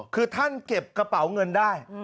คือท่านเก็บกระเป๋าเงินได้